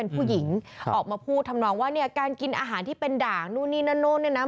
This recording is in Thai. ผู้หญิงออกมาพูดทำนองว่าเนี่ยการกินอาหารที่เป็นด่างนู่นนี่นั่นนู่นเนี่ยนะ